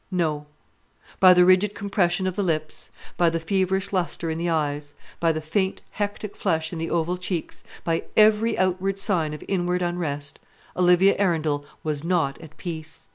No; by the rigid compression of the lips, by the feverish lustre in the eyes, by the faint hectic flush in the oval cheeks, by every outward sign of inward unrest, Olivia Arundel was not at peace!